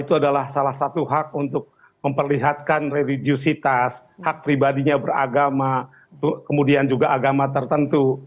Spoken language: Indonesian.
itu adalah salah satu hak untuk memperlihatkan religiositas hak pribadinya beragama kemudian juga agama tertentu